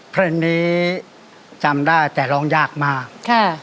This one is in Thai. เพลงนี้จำได้แต่ร้องยากมากค่ะ